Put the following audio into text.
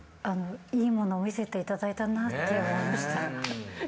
いいものを見せていただいたなって思いました。